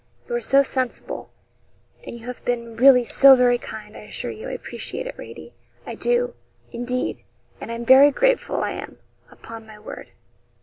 You are so sensible, and you have been, really, so very kind, I assure you I appreciate it, Radie I do, indeed; and I'm very grateful I am, upon my word.'